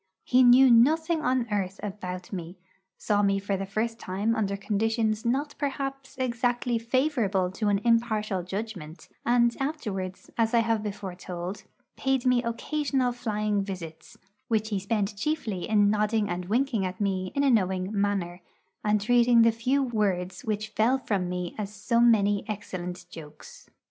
He knew nothing on earth about me; saw me for the first time under conditions not perhaps exactly favourable to an impartial judgment; and afterwards, as I have before told, paid me occasional flying visits, which he spent chiefly in nodding and winking at me in a knowing manner, and treating the few words which fell from me as so many excellent jokes.